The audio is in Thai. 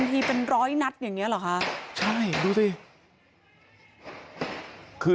มิกซีออนนะคะโหว่ายิงกันแบบโหดสงครามร่องนะครับนี่คือ